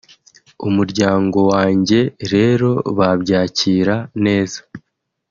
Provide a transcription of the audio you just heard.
Umuryango wanjye rero babyakira neza